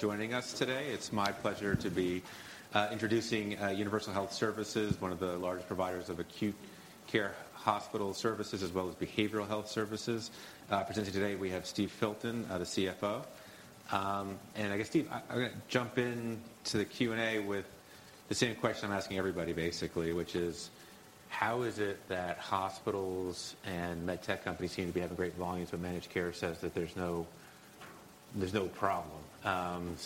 Thank you for joining us today. It's my pleasure to be introducing Universal Health Services, one of the largest providers of acute care hospital services, as well as behavioral health services. Presenting today, we have Steve Filton, the CFO. I guess, Steve, I'm gonna jump into the Q&A with the same question I'm asking everybody basically, which is how is it that hospitals and med tech companies seem to be having great volumes, but managed care says that there's no problem?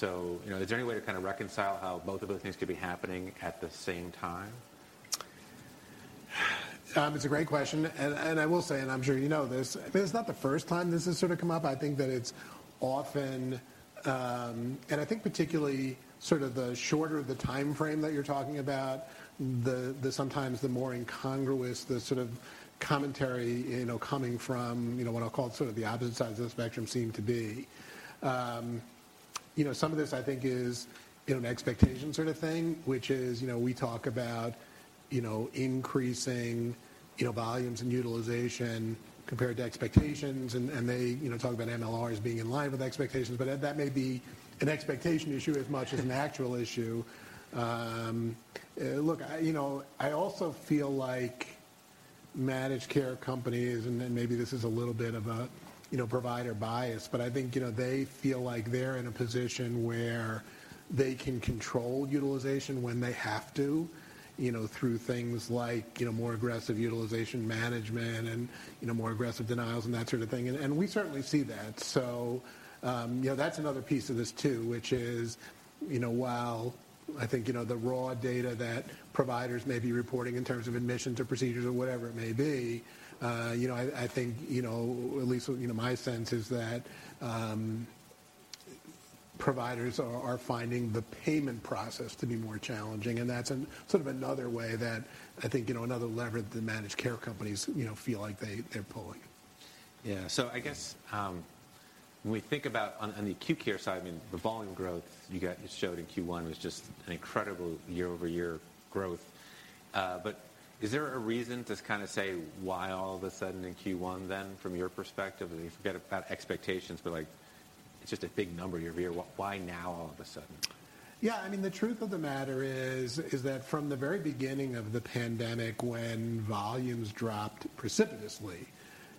You know, is there any way to kinda reconcile how both of those things could be happening at the same time? It's a great question. I will say, and I'm sure you know this, I mean, it's not the first time this has sort of come up. I think that it's often, and I think particularly sort of the shorter the timeframe that you're talking about, the sometimes the more incongruous the sort of commentary, you know, coming from, you know, what I'll call sort of the opposite sides of the spectrum seem to be. You know, some of this I think is, you know, an expectation sort of thing, which is, you know, we talk about, you know, increasing, you know, volumes and utilization compared to expectations. They, you know, talk about MLR as being in line with expectations, but that may be an expectation issue as much as an actual issue. Look, I, you know, I also feel like managed care companies, and then maybe this is a little bit of a, you know, provider bias, but I think, you know, they feel like they're in a position where they can control utilization when they have to, you know, through things like, you know, more aggressive utilization management and, you know, more aggressive denials and that sort of thing. We certainly see that. You know, that's another piece of this too, which is, you know, while I think, you know, the raw data that providers may be reporting in terms of admissions or procedures or whatever it may be, you know, I think, you know, at least, you know, my sense is that, providers are finding the payment process to be more challenging, and that's an sort of another way that I think, you know, another lever that the managed care companies, you know, feel like they're pulling. Yeah. I guess, when we think about on the acute care side, I mean, the volume growth you showed in Q1 was just an incredible year-over-year growth. Is there a reason to kind of say why all of a sudden in Q1, from your perspective? If you forget about expectations, like, it's just a big number year-over-year. Why now all of a sudden? Yeah, I mean, the truth of the matter is that from the very beginning of the pandemic when volumes dropped precipitously,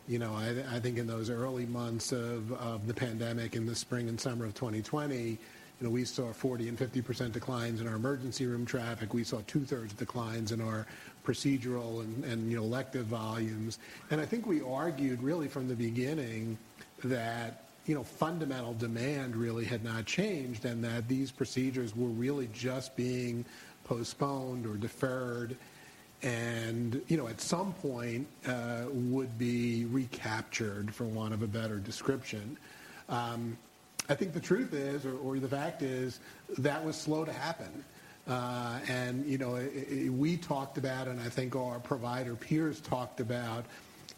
you know, I think in those early months of the pandemic in the spring and summer of 2020, you know, we saw 40% and 50% declines in our emergency room traffic. We saw 2/3 declines in our procedural and, you know, elective volumes. I think we argued really from the beginning that, you know, fundamental demand really had not changed, and that these procedures were really just being postponed or deferred and, you know, at some point would be recaptured, for want of a better description. I think the truth is or the fact is that was slow to happen. You know, we talked about, and I think our provider peers talked about,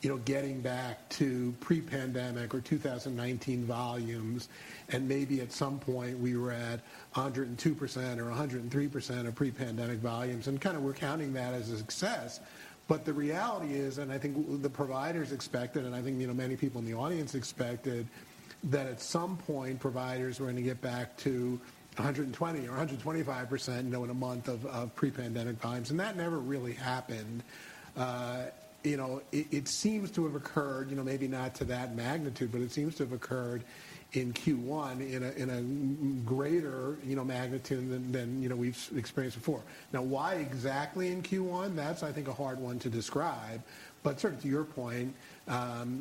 you know, getting back to pre-pandemic or 2019 volumes, and maybe at some point, we were at 102% or 103% of pre-pandemic volumes, and kinda we're counting that as a success. The reality is, and I think the providers expected, and I think, you know, many people in the audience expected, that at some point, providers were gonna get back to 120% or 125%, you know, in a month of pre-pandemic volumes, and that never really happened. You know, it seems to have occurred, you know, maybe not to that magnitude, but it seems to have occurred in Q1 in a greater, you know, magnitude than, you know, we've experienced before. Why exactly in Q1? That's, I think, a hard one to describe. Sort of to your point,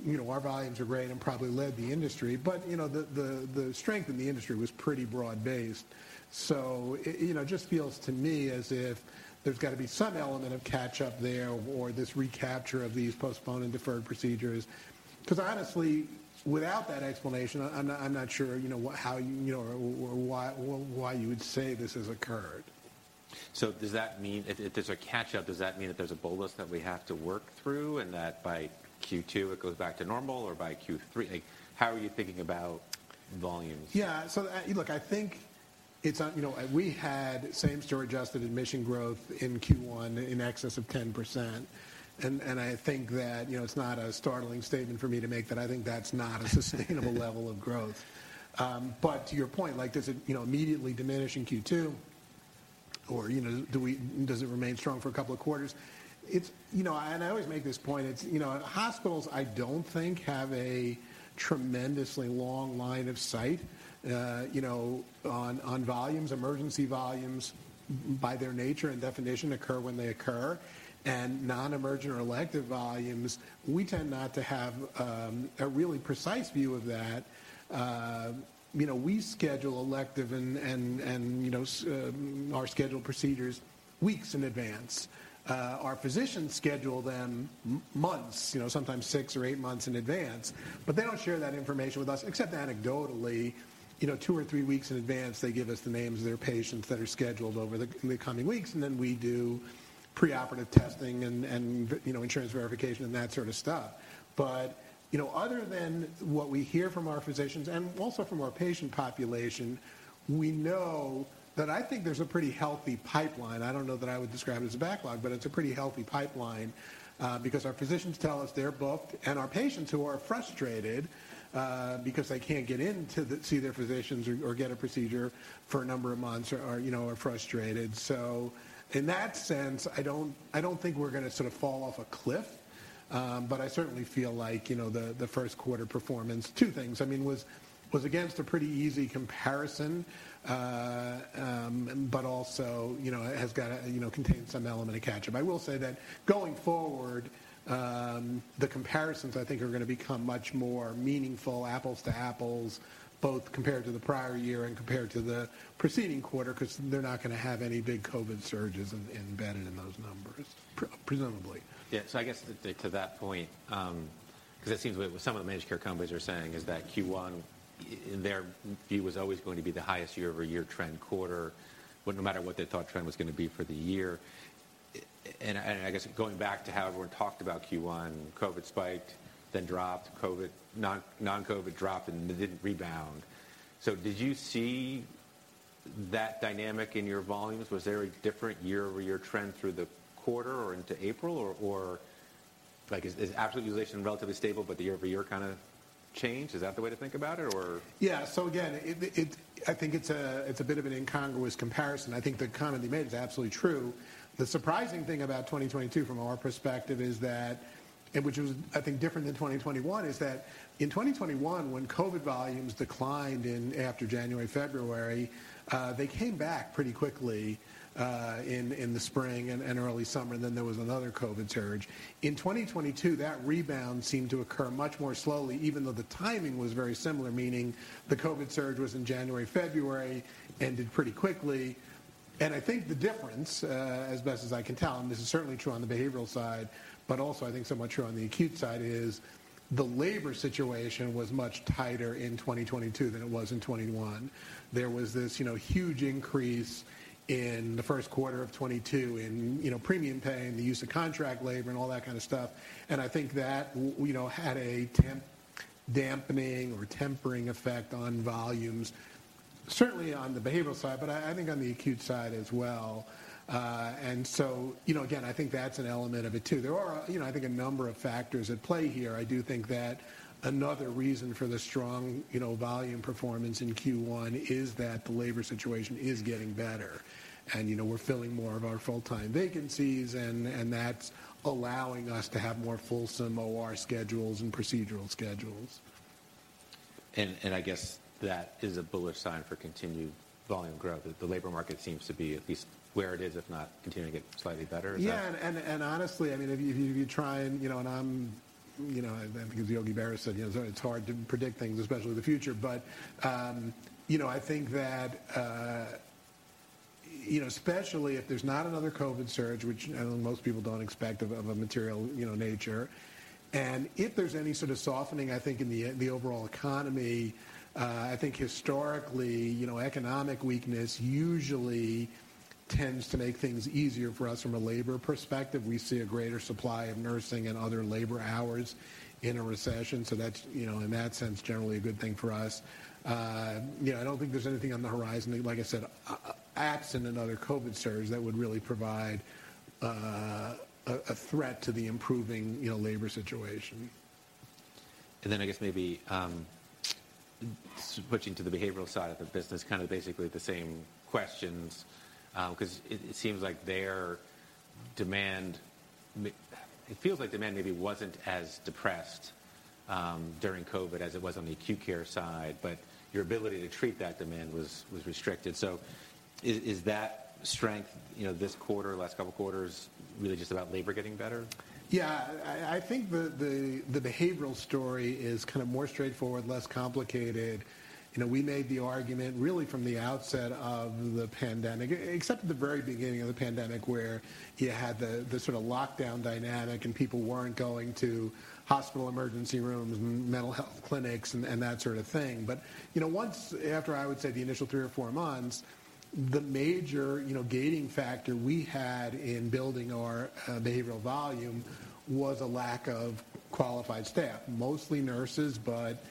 you know, our volumes are great and probably led the industry, but, you know, the strength in the industry was pretty broad-based. It, you know, just feels to me as if there's gotta be some element of catch-up there or this recapture of these postponed and deferred procedures. Honestly, without that explanation, I'm not sure, you know, how, you know, or why you would say this has occurred. Does that mean if there's a catch-up, does that mean that there's a bolus that we have to work through, and that by Q2 it goes back to normal, or by Q3? How are you thinking about volumes? Yeah. Look, I think it's, you know, we had same-store adjusted admission growth in Q1 in excess of 10%. I think that, you know, it's not a startling statement for me to make that I think that's not a sustainable level of growth. To your point, like, does it, you know, immediately diminish in Q2? You know, does it remain strong for a couple of quarters? It's, you know, I always make this point, it's, you know, hospitals, I don't think, have a tremendously long line of sight, you know, on volumes. Emergency volumes, by their nature and definition, occur when they occur. Non-emergent or elective volumes, we tend not to have a really precise view of that. You know, we schedule elective and, you know, our scheduled procedures weeks in advance. Our physicians schedule them months, you know, sometimes six or eight months in advance, but they don't share that information with us, except anecdotally. You know, two or three weeks in advance, they give us the names of their patients that are scheduled over the coming weeks, and then we do preoperative testing and, you know, insurance verification and that sort of stuff. You know, other than what we hear from our physicians and also from our patient population, we know that I think there's a pretty healthy pipeline. I don't know that I would describe it as a backlog, but it's a pretty healthy pipeline, because our physicians tell us they're booked, and our patients who are frustrated, because they can't get in to see their physicians or get a procedure for a number of months are, you know, are frustrated. In that sense, I don't, I don't think we're gonna sort of fall off a cliff, but I certainly feel like, you know, the first quarter performance, two things, I mean, was against a pretty easy comparison. Also, you know, it has got a, you know, contained some element of catch-up. I will say that going forward, the comparisons I think are gonna become much more meaningful, apples to apples, both compared to the prior year and compared to the preceding quarter 'cause they're not gonna have any big COVID surges embedded in those numbers presumably. Yeah. I guess to that point, 'cause it seems what some of the managed care companies are saying is that Q1 in their view was always going to be the highest year-over-year trend quarter, but no matter what they thought trend was gonna be for the year. I guess going back to how everyone talked about Q1, COVID spiked, then dropped. COVID non-COVID dropped and didn't rebound. Did you see that dynamic in your volumes? Was there a different year-over-year trend through the quarter or into April? Or like, is absolute utilization relatively stable but the year-over-year kinda changed? Is that the way to think about it or? Again, I think it's a bit of an incongruous comparison. I think the comment you made is absolutely true. The surprising thing about 2022 from our perspective is that, which was, I think, different than 2021, is that in 2021 when COVID volumes declined in after January, February, they came back pretty quickly, in the spring and early summer, then there was another COVID surge. In 2022, that rebound seemed to occur much more slowly, even though the timing was very similar, meaning the COVID surge was in January, February, ended pretty quickly. I think the difference, as best as I can tell, and this is certainly true on the behavioral side, but also I think somewhat true on the acute side, is the labor situation was much tighter in 2022 than it was in 2021. There was this huge increase in Q1 of 2022 in premium pay and the use of contract labor and all that kind of stuff. I think that had a dampening or tempering effect on volumes, certainly on the behavioral side, but I think on the acute side as well. Again, I think that's an element of it too. There are, I think a number of factors at play here. I do think that another reason for the strong, you know, volume performance in Q1 is that the labor situation is getting better. You know, we're filling more of our full-time vacancies and that's allowing us to have more fulsome OR schedules and procedural schedules. I guess that is a bullish sign for continued volume growth, that the labor market seems to be at least where it is if not continuing to get slightly better. Is that- Yeah. Honestly, I mean, if you try and, you know, I think as Yogi Berra said, you know, it's hard to predict things, especially the future. I think that, you know, especially if there's not another COVID surge, which, you know, most people don't expect of a material, you know, nature. If there's any sort of softening, I think in the overall economy, I think historically, you know, economic weakness usually tends to make things easier for us from a labor perspective. We see a greater supply of nursing and other labor hours in a recession, so that's, you know, in that sense, generally a good thing for us. you know, I don't think there's anything on the horizon, like I said, acts in another COVID surge that would really provide a threat to the improving, you know, labor situation. I guess maybe, switching to the behavioral side of the business, kind of basically the same questions, 'cause it seems like It feels like demand maybe wasn't as depressed, during COVID as it was on the acute care side, but your ability to treat that demand was restricted. Is that strength, you know, this quarter, last couple quarters, really just about labor getting better? I think the behavioral story is kinda more straightforward, less complicated. You know, we made the argument really from the outset of the pandemic, except at the very beginning of the pandemic where you had the sort of lockdown dynamic and people weren't going to hospital emergency rooms and mental health clinics and that sort of thing. You know, once after, I would say the initial three or four months, the major, you know, gating factor we had in building our behavioral volume was a lack of qualified staff, mostly nurses, but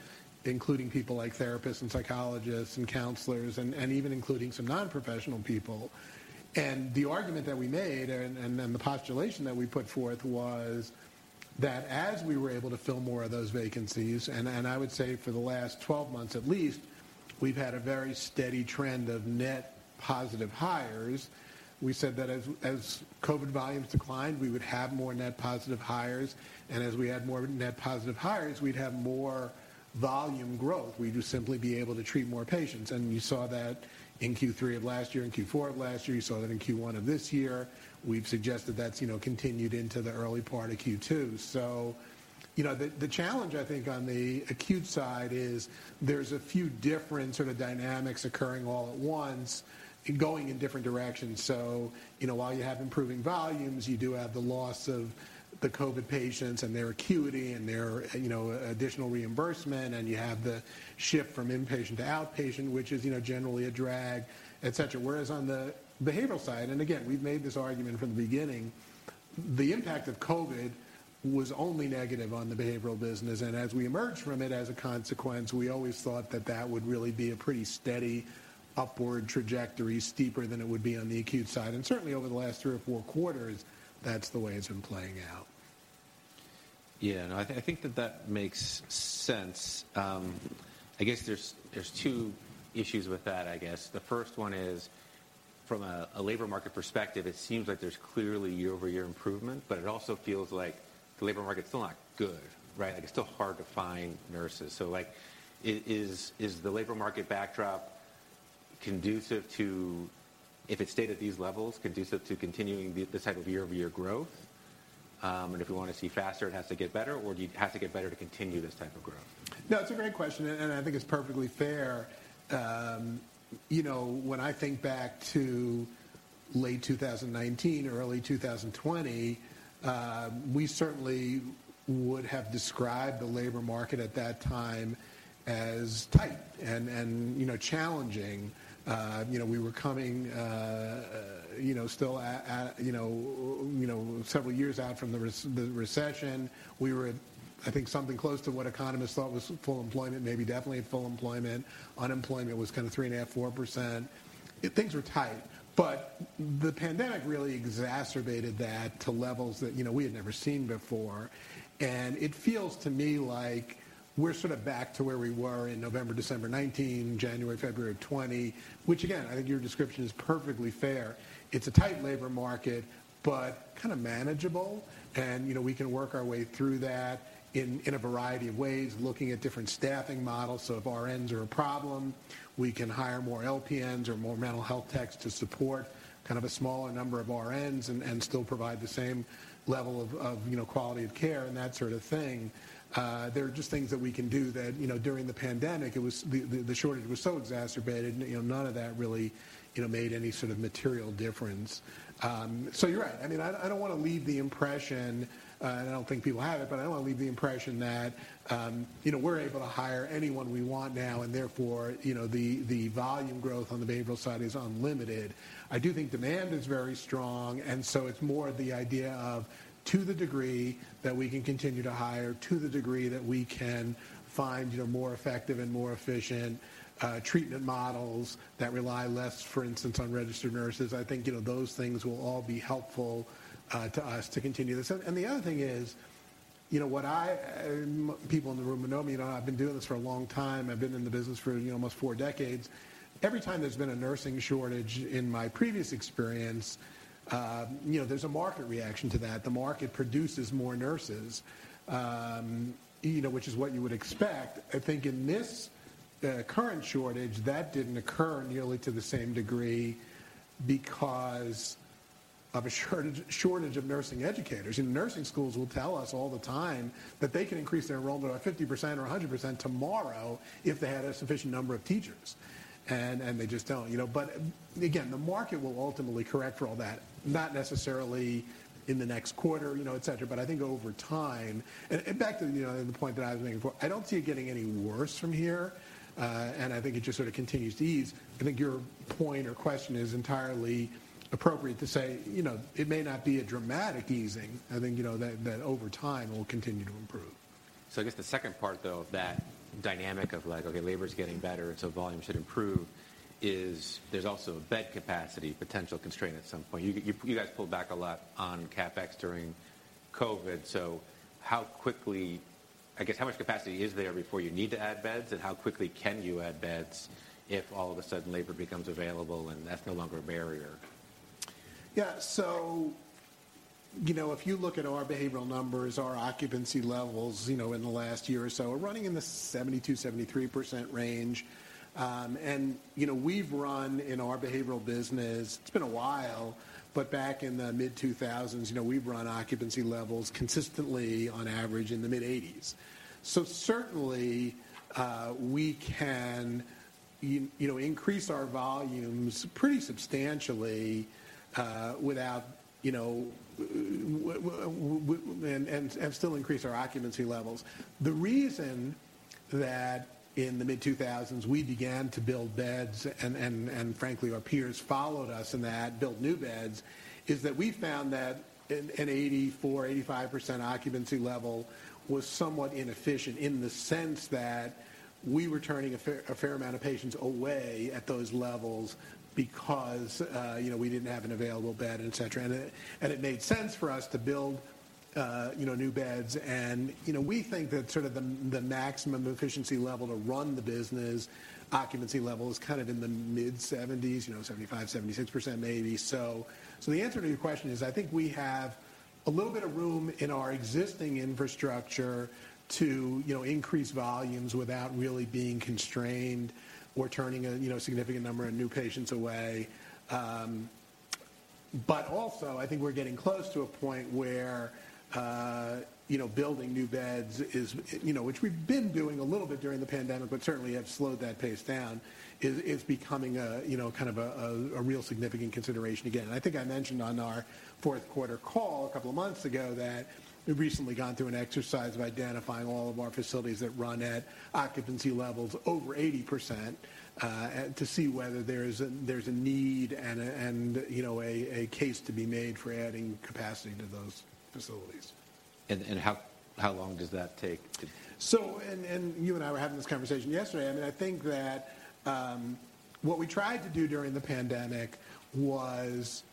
including people like therapists and psychologists and counselors and even including some non-professional people. The argument that we made and the postulation that we put forth was that as we were able to fill more of those vacancies, and I would say for the last 12 months at least, we've had a very steady trend of net positive hires. We said that as COVID volumes declined, we would have more net positive hires, and as we had more net positive hires, we'd have more volume growth. We'd just simply be able to treat more patients. You saw that in Q3 of last year, in Q4 of last year, you saw that in Q1 of this year. We've suggested that's, you know, continued into the early part of Q2. You know, the challenge I think on the acute side is there's a few different sort of dynamics occurring all at once going in different directions. You know, while you have improving volumes, you do have the loss of the COVID patients and their acuity and their, you know, additional reimbursement, and you have the shift from inpatient to outpatient, which is, you know, generally a drag, et cetera. Whereas on the behavioral side, and again, we've made this argument from the beginning. The impact of COVID was only negative on the behavioral business. As we emerged from it as a consequence, we always thought that that would really be a pretty steady upward trajectory, steeper than it would be on the acute side. Certainly over the last three or four quarters, that's the way it's been playing out. No, I think that that makes sense. I guess there's two issues with that, I guess. The first one is, from a labor market perspective, it seems like there's clearly year-over-year improvement, but it also feels like the labor market's still not good, right? Like, it's still hard to find nurses. Like, is the labor market backdrop conducive to, if it stayed at these levels, conducive to continuing this type of year-over-year growth? If we want to see faster, it has to get better, or it has to get better to continue this type of growth? No, it's a great question, and I think it's perfectly fair. you know, when I think back to late 2019 or early 2020, we certainly would have described the labor market at that time as tight and, you know, challenging. you know, we were coming, you know, still at, you know, several years out from the recession. We were at, I think, something close to what economists thought was full employment, maybe definitely at full employment. Unemployment was kind of 3.5%, 4%. Things were tight. The pandemic really exacerbated that to levels that, you know, we had never seen before. It feels to me like we're sort of back to where we were in November, December 2019, January, February 2020, which again, I think your description is perfectly fair. It's a tight labor market, but kind of manageable. You know, we can work our way through that in a variety of ways, looking at different staffing models. If RNs are a problem, we can hire more LPNs or more mental health techs to support kind of a smaller number of RNs and still provide the same level of, you know, quality of care and that sort of thing. There are just things that we can do that, you know, during the pandemic, the shortage was so exacerbated, and, you know, none of that really, you know, made any sort of material difference. You're right. I mean, I don't want to leave the impression, and I don't think people have it, but I don't want to leave the impression that, you know, we're able to hire anyone we want now, and therefore, you know, the volume growth on the behavioral side is unlimited. I do think demand is very strong, and so it's more the idea of to the degree that we can continue to hire, to the degree that we can find, you know, more effective and more efficient, treatment models that rely less, for instance, on registered nurses. I think, you know, those things will all be helpful to us to continue this. The other thing is, you know, people in the room who know me know I've been doing this for a long time. I've been in the business for, you know, almost four decades. Every time there's been a nursing shortage in my previous experience, you know, there's a market reaction to that. The market produces more nurses, you know, which is what you would expect. I think in this current shortage, that didn't occur nearly to the same degree because of a shortage of nursing educators. Nursing schools will tell us all the time that they can increase their enrollment by 50% or 100% tomorrow if they had a sufficient number of teachers. They just don't, you know. Again, the market will ultimately correct for all that, not necessarily in the next quarter, you know, et cetera, but I think over time. Back to, you know, the point that I was making before, I don't see it getting any worse from here, and I think it just sort of continues to ease. I think your point or question is entirely appropriate to say, you know, it may not be a dramatic easing. I think, you know, that over time will continue to improve. I guess the second part, though, of that dynamic of like, okay, labor's getting better, volume should improve, is there's also bed capacity potential constraint at some point. You guys pulled back a lot on CapEx during COVID. How quickly I guess, how much capacity is there before you need to add beds, and how quickly can you add beds if all of a sudden labor becomes available and that's no longer a barrier? Yeah. You know, if you look at our behavioral numbers, our occupancy levels, you know, in the last year or so, we're running in the 72%,73% range. You know, we've run in our behavioral business, it's been a while, but back in the mid-2000s, you know, we've run occupancy levels consistently on average in the mid-80s. Certainly, we can, you know, increase our volumes pretty substantially, without, you know, and still increase our occupancy levels. The reason that in the mid-2000s we began to build beds, and frankly, our peers followed us in that, built new beds, is that we found that an 84%, 85% occupancy level was somewhat inefficient in the sense that we were turning a fair amount of patients away at those levels because, you know, we didn't have an available bed, et cetera. It made sense for us to build, you know, new beds. You know, we think that sort of the maximum efficiency level to run the business occupancy level is kind of in the mid-70s, you know, 75%, 76% maybe. The answer to your question is, I think we have a little bit of room in our existing infrastructure to, you know, increase volumes without really being constrained or turning a, you know, significant number of new patients away. Also, I think we're getting close to a point where, you know, building new beds is, you know, which we've been doing a little bit during the pandemic, but certainly have slowed that pace down, is becoming a, you know, kind of a, a real significant consideration again. I think I mentioned on our fourth quarter call a couple of months ago that we've recently gone through an exercise of identifying all of our facilities that run at occupancy levels over 80%, to see whether there's a need and, you know, a case to be made for adding capacity to those facilities. How long does that take? You and I were having this conversation yesterday. I mean, I think that what we tried to do during the pandemic was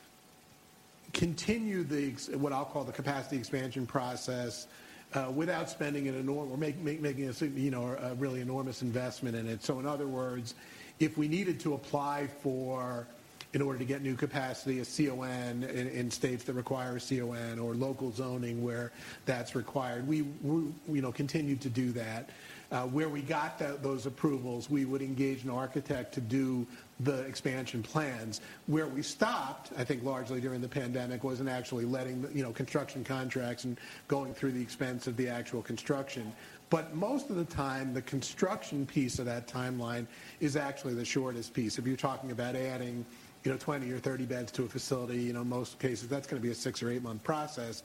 continue what I'll call the capacity expansion process without spending or making, you know, a really enormous investment in it. In other words, if we needed to apply for, in order to get new capacity, a CON in states that require a CON or local zoning where that's required, we, you know, continued to do that. Where we got those approvals, we would engage an architect to do the expansion plans. Where we stopped, I think largely during the pandemic, wasn't actually letting the, you know, construction contracts and going through the expense of the actual construction. Most of the time, the construction piece of that timeline is actually the shortest piece. If you're talking about adding, you know, 20 or 30 beds to a facility, you know, most cases that's gonna be a 6 or 8-month process.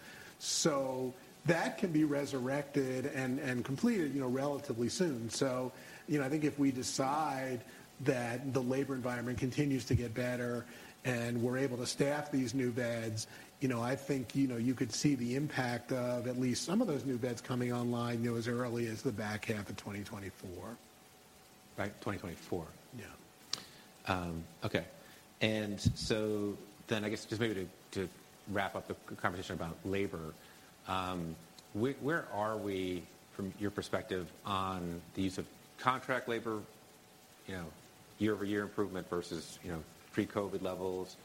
That can be resurrected and completed, you know, relatively soon. I think if we decide that the labor environment continues to get better and we're able to staff these new beds, you know, I think, you know, you could see the impact of at least some of those new beds coming online, you know, as early as the back half of 2024. Right, 2024? Yeah. Okay. I guess just maybe to wrap up the conversation about labor, where are we from your perspective on the use of contract labor, you know, year-over-year improvement versus, you know, pre-COVID levels?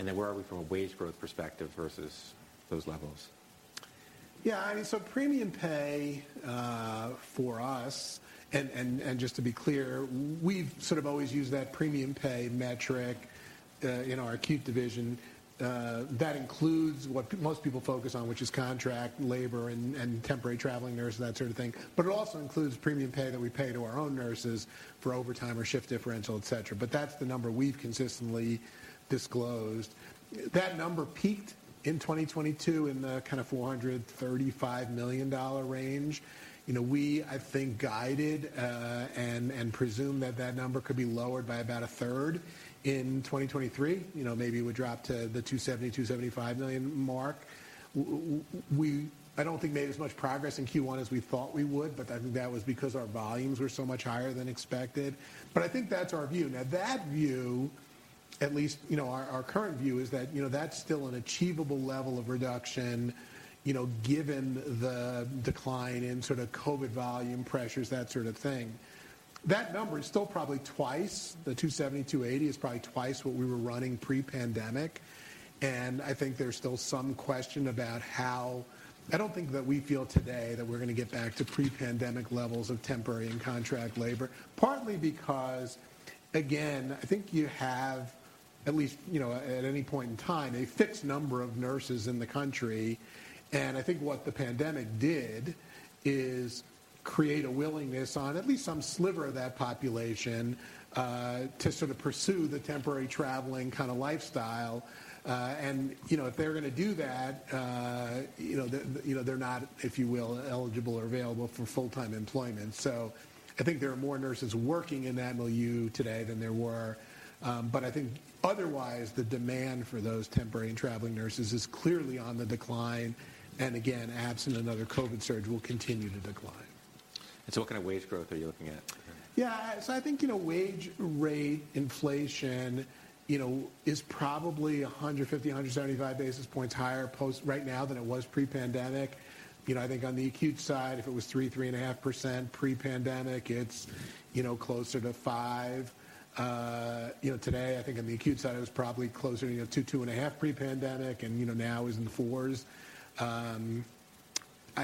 Where are we from a wage growth perspective versus those levels? Yeah. I mean, premium pay for us and just to be clear, we've sort of always used that premium pay metric in our acute division. That includes what most people focus on, which is contract labor and temporary traveling nurses, that sort of thing. It also includes premium pay that we pay to our own nurses for overtime or shift differential, et cetera. That's the number we've consistently disclosed. That number peaked in 2022 in the kind of $435 million range. You know, we, I think, guided and presumed that that number could be lowered by about a 1/3 in 2023. You know, maybe it would drop to the $270 million/$275 million mark. We don't think made as much progress in Q1 as we thought we would, but I think that was because our volumes were so much higher than expected. I think that's our view. Now, that view at least, you know, our current view is that, you know, that's still an achievable level of reduction, you know, given the decline in sort of COVID volume pressures, that sort of thing. That number is still probably twice, the $270, $280 is probably twice what we were running pre-pandemic, and I think there's still some question about how... I don't think that we feel today that we're gonna get back to pre-pandemic levels of temporary and contract labor, partly because, again, I think you have at least, you know, at any point in time, a fixed number of nurses in the country. I think what the pandemic did is create a willingness on at least some sliver of that population, to sort of pursue the temporary traveling kinda lifestyle. You know, if they're gonna do that, you know, they're not, if you will, eligible or available for full-time employment. I think there are more nurses working in MLU today than there were. I think otherwise, the demand for those temporary and traveling nurses is clearly on the decline, and again, absent another COVID surge, will continue to decline. What kind of wage growth are you looking at? Yeah. I think, you know, wage rate inflation, you know, is probably 150 basis points, 175 basis points higher post right now than it was pre-pandemic. You know, I think on the acute side, if it was 3%, 3.5% pre-pandemic, it's, you know, closer to 5%. You know, today, I think on the acute side it was probably closer to, you know, 2%, 2.5% pre-pandemic and, you know, now is in the fours.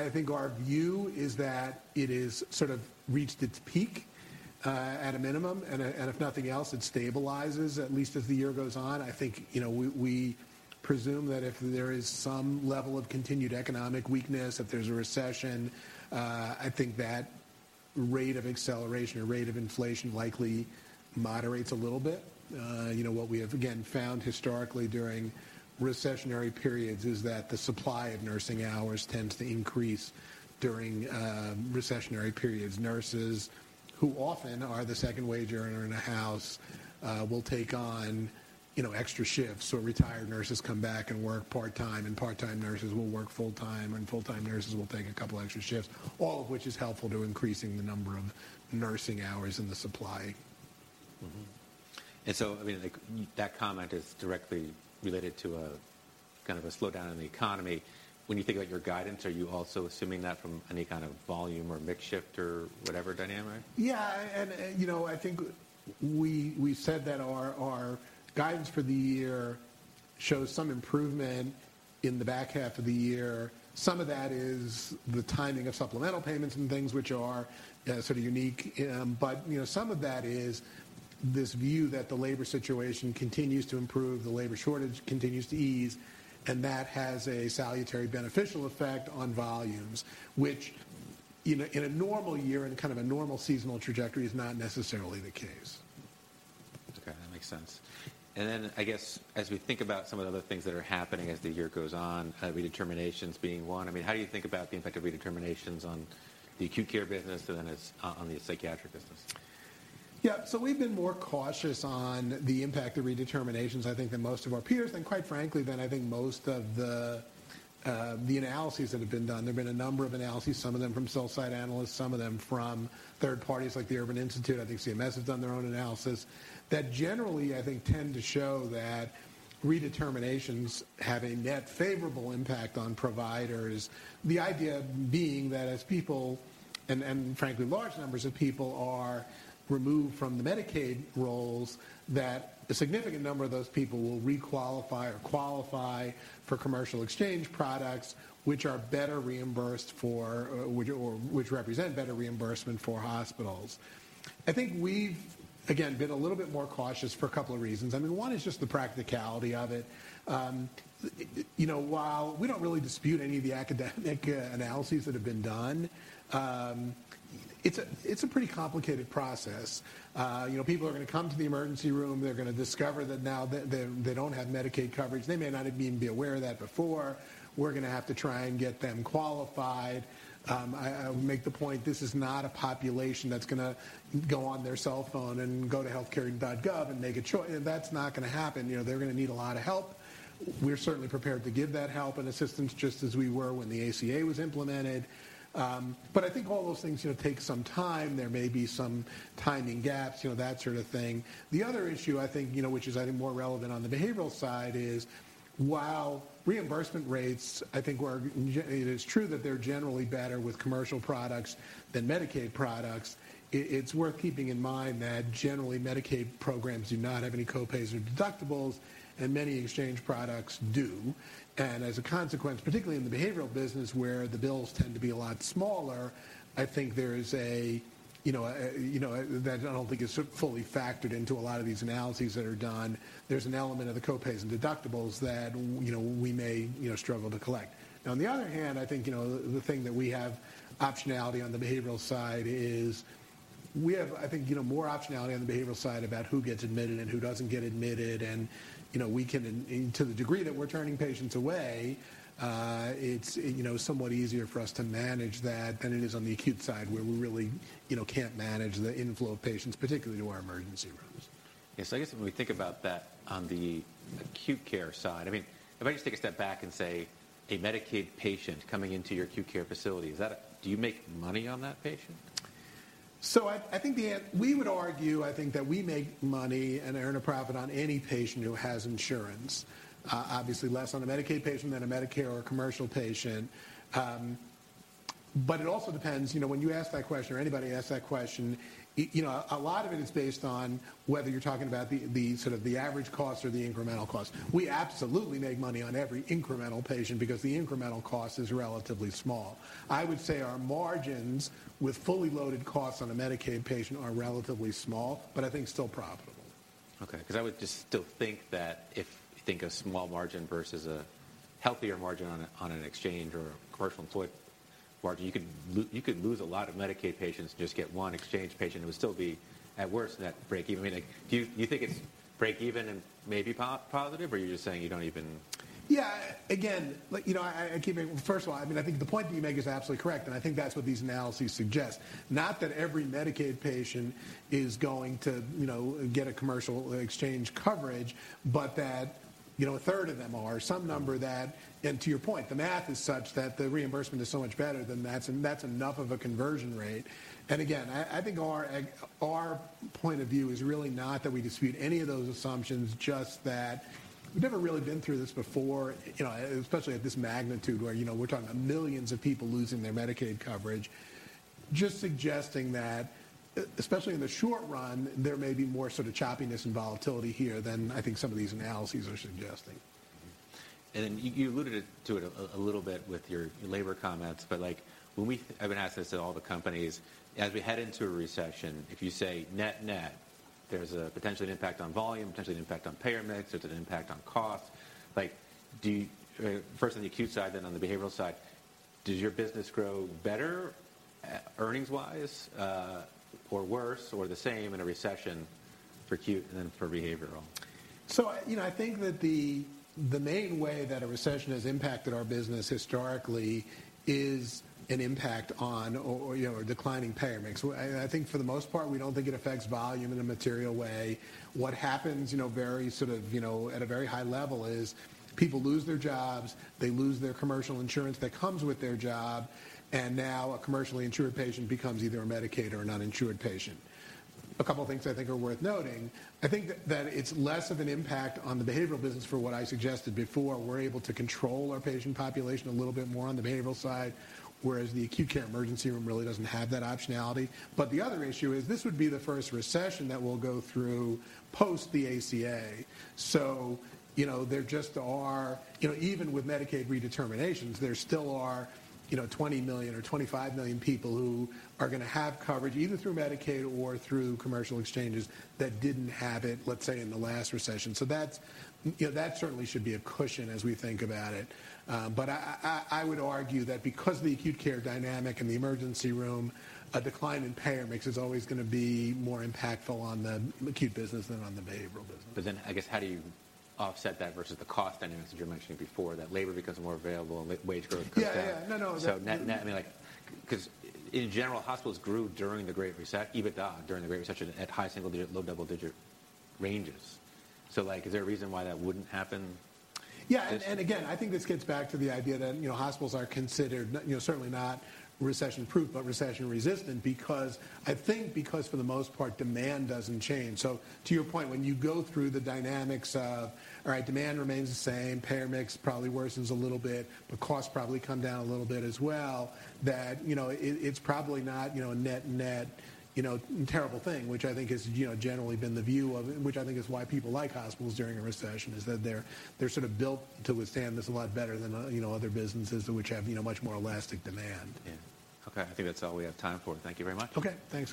I think our view is that it is sort of reached its peak, at a minimum, and if nothing else, it stabilizes at least as the year goes on. I think, you know, we presume that if there is some level of continued economic weakness, if there's a recession, I think that rate of acceleration or rate of inflation likely moderates a little bit. You know, what we have again found historically during recessionary periods is that the supply of nursing hours tends to increase during recessionary periods. Nurses who often are the second wage earner in a house, will take on, you know, extra shifts, so retired nurses come back and work part-time, and part-time nurses will work full-time, and full-time nurses will take a couple extra shifts, all of which is helpful to increasing the number of nursing hours in the supply. Mm-hmm. I mean, like, that comment is directly related to a kind of a slowdown in the economy. When you think about your guidance, are you also assuming that from any kind of volume or mix shift or whatever dynamic? You know, I think we said that our guidance for the year shows some improvement in the back half of the year. Some of that is the timing of supplemental payments and things which are sort of unique. You know, some of that is this view that the labor situation continues to improve, the labor shortage continues to ease, and that has a salutary beneficial effect on volumes, which, you know, in a normal year, in kind of a normal seasonal trajectory, is not necessarily the case. Okay. That makes sense. I guess as we think about some of the other things that are happening as the year goes on, redeterminations being one, I mean, how do you think about the impact of redeterminations on the acute care business and then on the psychiatric business? We've been more cautious on the impact of redeterminations, I think, than most of our peers, and quite frankly than, I think, most of the analyses that have been done. There have been a number of analyses, some of them from sell-side analysts, some of them from third parties like the Urban Institute, I think CMS has done their own analysis, that generally, I think, tend to show that redeterminations have a net favorable impact on providers. The idea being that as people, and frankly large numbers of people are removed from the Medicaid rolls, that a significant number of those people will requalify or qualify for commercial exchange products which are better reimbursed for or which represent better reimbursement for hospitals. I think we've, again, been a little bit more cautious for a couple of reasons. I mean, one is just the practicality of it. You know, while we don't really dispute any of the academic analyses that have been done, it's a pretty complicated process. You know, people are gonna come to the emergency room, they're gonna discover that now they don't have Medicaid coverage. They may not even be aware of that before. We're gonna have to try and get them qualified. I would make the point this is not a population that's gonna go on their cell phone and go to HealthCare.gov. That's not gonna happen. You know, they're gonna need a lot of help. We're certainly prepared to give that help and assistance just as we were when the ACA was implemented. I think all those things, you know, take some time. There may be some timing gaps, you know, that sort of thing. The other issue I think, you know, which is I think more relevant on the behavioral side is while reimbursement rates, I think were It is true that they're generally better with commercial products than Medicaid products, it's worth keeping in mind that generally Medicaid programs do not have any co-pays or deductibles, and many exchange products do. As a consequence, particularly in the behavioral business where the bills tend to be a lot smaller, I think there is a, you know, that I don't think is fully factored into a lot of these analyses that are done. There's an element of the co-pays and deductibles that we know, we may, you know, struggle to collect. On the other hand, I think, you know, the thing that we have optionality on the behavioral side is we have, I think, you know, more optionality on the behavioral side about who gets admitted and who doesn't get admitted. You know, we can, and to the degree that we're turning patients away, it's, you know, somewhat easier for us to manage that than it is on the acute side where we really, you know, can't manage the inflow of patients, particularly to our emergency rooms. I guess when we think about that on the acute care side, I mean, if I just take a step back and say a Medicaid patient coming into your acute care facility, Do you make money on that patient? I think we would argue, I think, that we make money and earn a profit on any patient who has insurance. Obviously less on a Medicaid patient than a Medicare or commercial patient. It also depends, you know, when you ask that question or anybody asks that question, you know, a lot of it is based on whether you're talking about the sort of the average cost or the incremental cost. We absolutely make money on every incremental patient because the incremental cost is relatively small. I would say our margins with fully loaded costs on a Medicaid patient are relatively small, but I think still profitable. Okay, 'cause I would just still think that if you think a small margin versus a healthier margin on an exchange or a commercial employed margin, you could lose a lot of Medicaid patients, just get one exchange patient and would still be at worse net break even. I mean, like, do you think it's break even and maybe positive, or you're just saying you don't even? Yeah. Again, like, you know, First of all, I mean, I think the point that you make is absolutely correct, and I think that's what these analyses suggest. Not that every Medicaid patient is going to, you know, get a commercial exchange coverage, but that, you know, a third of them are, some number. Mm-hmm. To your point, the math is such that the reimbursement is so much better than that, so that's enough of a conversion rate. Again, I think our point of view is really not that we dispute any of those assumptions, just that we've never really been through this before, you know, especially at this magnitude where, you know, we're talking about millions of people losing their Medicaid coverage. Just suggesting that especially in the short run, there may be more sort of choppiness and volatility here than I think some of these analyses are suggesting. Mm-hmm. Then you alluded to it a little bit with your labor comments, but like when I've been asking this to all the companies, as we head into a recession, if you say net-net, there's a potentially an impact on volume, potentially an impact on payer mix, there's an impact on cost. Like, First on the acute side, then on the behavioral side, does your business grow better, earnings-wise, or worse, or the same in a recession for acute and then for behavioral? you know, I think that the main way that a recession has impacted our business historically is an impact on or, you know, a declining payer mix. Well I think for the most part, we don't think it affects volume in a material way. What happens, you know, very sort of, you know, at a very high level is people lose their jobs, they lose their commercial insurance that comes with their job, and now a commercially insured patient becomes either a Medicaid or an uninsured patient. A couple of things I think are worth noting, I think that it's less of an impact on the behavioral business for what I suggested before. We're able to control our patient population a little bit more on the behavioral side, whereas the acute care emergency room really doesn't have that optionality. The other issue is this would be the first recession that we'll go through post the ACA. You know, there just are. You know, even with Medicaid redeterminations, there still are, you know, 20 million or 25 million people who are gonna have coverage, either through Medicaid or through commercial exchanges, that didn't have it, let's say, in the last recession. That's, you know, that certainly should be a cushion as we think about it. I would argue that because of the acute care dynamic and the emergency room, a decline in payer mix is always gonna be more impactful on the acute business than on the behavioral business. I guess, how do you offset that versus the cost dynamics that you were mentioning before, that labor becomes more available and wage growth goes down? Yeah. Yeah. No, no. Net, I mean, like, 'cause in general, hospitals grew EBITDA during the great recession at high single-digit, low double-digit ranges. Like, is there a reason why that wouldn't happen this time? Yeah. Again, I think this gets back to the idea that, you know, hospitals are considered, you know, certainly not recession-proof, but recession-resistant because, I think because for the most part, demand doesn't change. To your point, when you go through the dynamics of, all right, demand remains the same, payer mix probably worsens a little bit, but costs probably come down a little bit as well, that, you know, it's probably not, you know, net-net, you know, terrible thing, which I think has, you know, generally been the view of it, which I think is why people like hospitals during a recession, is that they're sort of built to withstand this a lot better than, you know, other businesses which have, you know, much more elastic demand. Yeah. Okay. I think that's all we have time for. Thank you very much. Okay. Thanks.